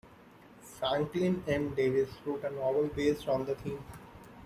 Franklin M. Davis wrote a novel based on the theme.